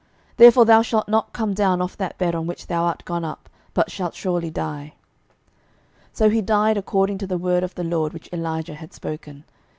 therefore thou shalt not come down off that bed on which thou art gone up, but shalt surely die. 12:001:017 So he died according to the word of the LORD which Elijah had spoken.